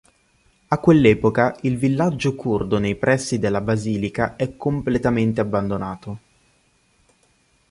A quell'epoca il villaggio curdo nei pressi della basilica è completamente abbandonato.